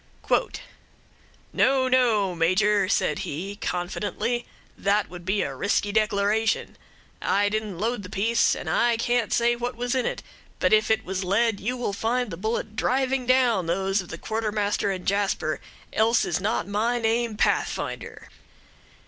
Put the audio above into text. "'No, no, Major,' said he, confidently, 'that would be a risky declaration. I didn't load the piece, and can't say what was in it; but if it was lead, you will find the bullet driving down those of the Quartermaster and Jasper, else is not my name Pathfinder.'